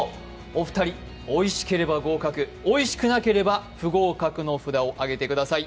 お二人、おいしければ合格、おいしくなければ不合格の札を上げてください。